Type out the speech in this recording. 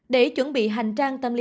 để chuẩn bị hành trang tâm lý